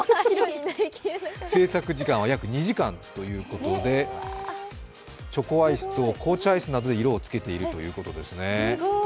制作時間は約２時間ということでチョコアイスと紅茶アイスなどで色を着けているということですね。